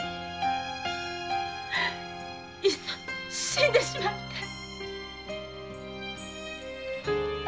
いっそ死んでしまいたい！